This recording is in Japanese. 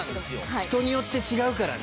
人によって違うからね。